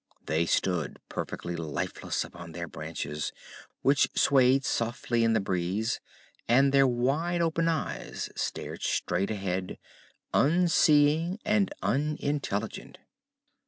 They stood perfectly lifeless upon their branches, which swayed softly in the breeze, and their wide open eyes stared straight ahead, unseeing and unintelligent.